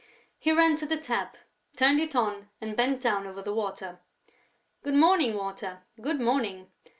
He ran to the tap, turned it on and bent down over the water. "Good morning, Water, good morning!...